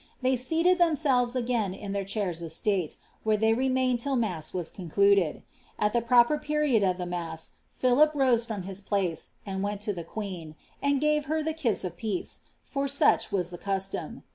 They seated themselves again k their chairs of state, where they remained till mass was concluded. At tte proper period of the mass, Philip rose from his pkce, and went to tk queen, ^and gave her the kiss of peace," for such was the cuitoai.